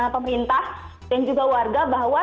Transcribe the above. pemerintah dan juga warga bahwa